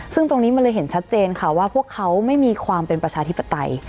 ซึ่งตรงนี้มันเลยเห็นชัดเจนค่ะว่าพวกเขาไม่มีความเป็นประชาธิปไตย